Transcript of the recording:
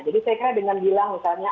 jadi saya kira dengan bilang misalnya